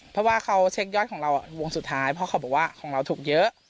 เพราะว่าเขาเช็คยอดของเราวงสุดท้ายเพราะเขาบอกว่าของเราถูกเยอะ